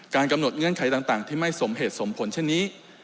กำหนดเงื่อนไขต่างที่ไม่สมเหตุสมผลเช่นนี้